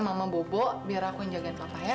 mama bobo biar aku yang jagain papa ya